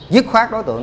dứt khoát đối tượng